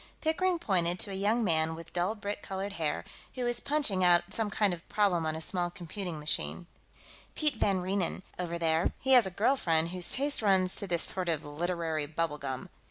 Pickering pointed to a young man with dull brick colored hair, who was punching out some kind of a problem on a small computing machine. "Piet van Reenen, over there, he has a girl friend whose taste runs to this sort of literary bubble gum.